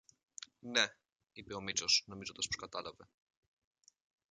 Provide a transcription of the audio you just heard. Ναι, είπε ο Μήτσος νομίζοντας πως κατάλαβε